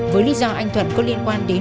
với lý do anh thuận có liên quan đến